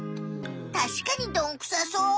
たしかにどんくさそう。